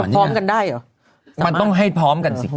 สอนแต่งหน้า